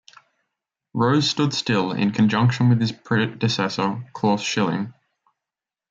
Rose stood still in conjunction with his predecessor Claus Schilling.